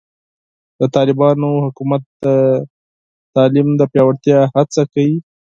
د طالبانو حکومت د تعلیم د پیاوړتیا هڅه کړې.